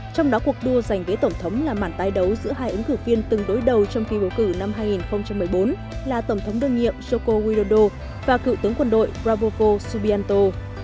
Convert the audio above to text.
trong đó cuộc đua giành ghế tổng thống là mản tái đấu giữa hai ứng cử viên từng đối đầu trong kỳ bầu cử năm hai nghìn một mươi bốn là tổng thống đương nhiệm joko widodo và cựu tướng quân đội praboko subianto